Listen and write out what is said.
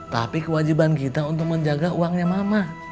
tapi kewajiban kita untuk menjaga uangnya mama